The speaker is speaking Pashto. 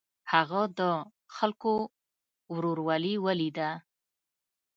هغه د خلکو ورورولي ولیده.